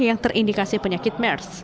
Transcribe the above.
yang terindikasi penyakit mers